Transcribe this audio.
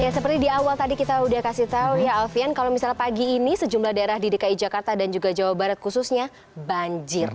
seperti di awal tadi kita sudah kasih tahu ya alfian kalau misalnya pagi ini sejumlah daerah di dki jakarta dan juga jawa barat khususnya banjir